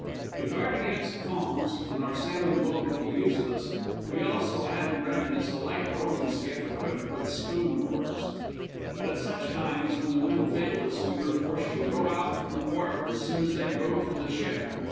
To guard against calms when our salmon boat would be useless we also had in readiness a light rowing skiff equipped with spoon oars. But at such times, when the wind failed us, we were forced to row out from the wharf as soon as they rowed from the ship.